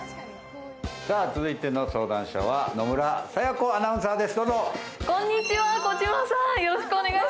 続いての相談者は野村彩也子アナウンサーです。